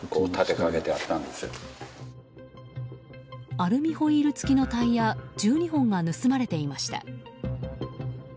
アルミホイール付きのタイヤ１２本が盗まれていました。